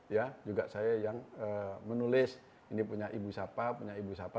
ya juga saya yang menulis ini punya ibu siapa punya ibu siapa